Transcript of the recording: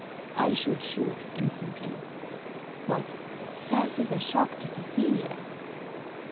"I should shoot instantly." "But fancy the shock to Cecilia."